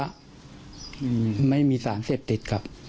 ปัสสาวะไม่มีสารเสพเด็ดกลับ